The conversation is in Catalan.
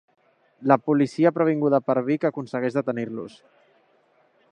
La policia previnguda per Vic aconsegueix detenir-los.